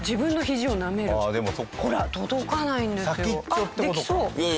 あっできそう。